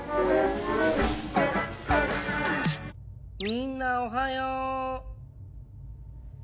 みんなおはよう！